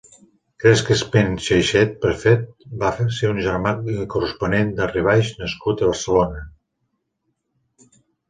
Cresques ben Xéixet Perfet va ser un germà i corresponent del Rivaix nascut a Barcelona.